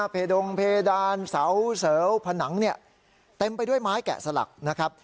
เพดงเพดานเสาเสวผนังเนี่ยเต็มไปด้วยไม้แกะสลักนะครับ